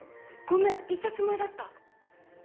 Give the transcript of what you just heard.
ごめん言ったつもりだった。